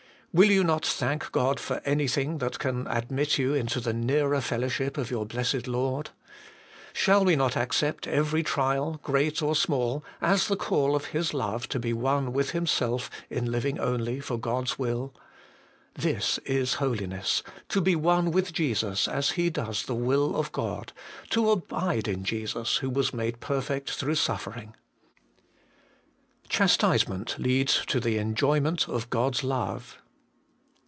Will you not thank God for anything that can admit you into the nearer fellow ship of your blessed Lord ? Shall we not accept every trial, great or small, as the call of His love to be one with Himself in living only for God's will. This is Holiness, to be one with Jesus as He does the will of God, to abide in Jesus who was made perfect through suffering. Chastisement leads to the enjoyment of God's love.